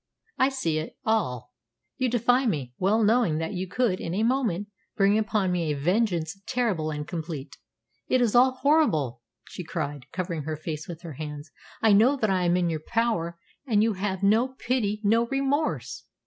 I see it all. You defy me, well knowing that you could, in a moment, bring upon me a vengeance terrible and complete. It is all horrible!" she cried, covering her face with her hands. "I know that I am in your power. And you have no pity, no remorse."